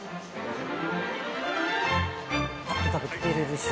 パッと食べて出れるし。